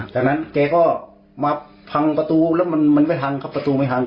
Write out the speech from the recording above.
จากนั้นแกก็มาพังประตูแล้วมันไม่ทันครับประตูไม่ทัน